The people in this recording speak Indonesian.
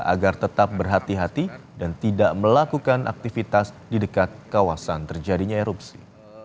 agar tetap berhati hati dan tidak melakukan aktivitas di dekat kawasan terjadinya erupsi